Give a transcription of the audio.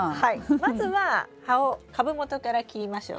まずは葉を株元から切りましょう。